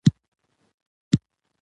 د پرېکړو اغېز باید له مخکې وکتل شي